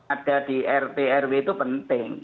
ada di rt rw itu penting